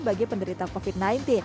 bagi penderita covid sembilan belas